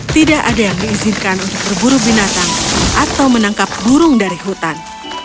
tidak ada yang diizinkan untuk berburu binatang atau menangkap burung dari hutan